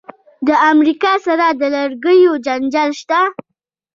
د امریکا سره د لرګیو جنجال شته.